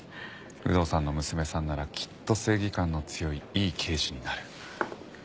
有働さんの娘さんならきっと正義感の強いいい刑事になる。